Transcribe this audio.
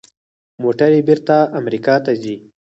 موټرې بیرته امریکا ته ځي.